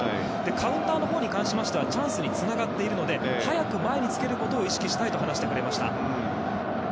カウンターのほうに関しましてはチャンスにつながっているので早く前につけることを意識したいと話してくれました。